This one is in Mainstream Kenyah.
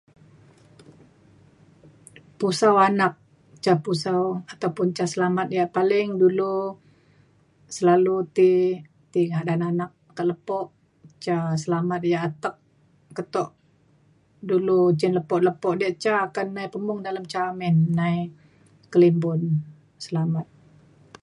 pusau anak ca pusau ataupun ca selamat yak paling dulu selalu ti ti ngadan anak kak lepo. ca selamat yak atek keto dulu cin lepo lepo diak ca akan nai pemung dalem ca amin nai kelimbun selamat